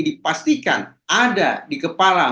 dipastikan ada di kepala